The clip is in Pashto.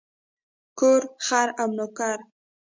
کور، خر او نوکر.